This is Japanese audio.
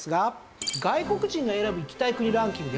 外国人が選ぶ行きたい国ランキング